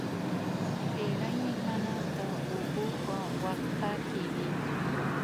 ډېری مېلمانه د اوبو په وقفه کې وي.